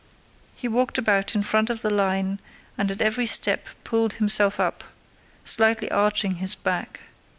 He walked about in front of the line and at every step pulled himself up, slightly arching his back.